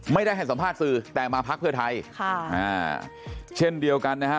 ให้สัมภาษณ์สื่อแต่มาพักเพื่อไทยค่ะอ่าเช่นเดียวกันนะฮะ